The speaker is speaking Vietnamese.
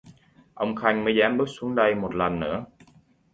Ông Khanh mới dám bước xuống đây một lần nữa